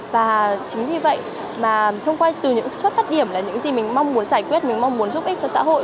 và chính vì vậy mà thông qua từ những xuất phát điểm là những gì mình mong muốn giải quyết mình mong muốn giúp ích cho xã hội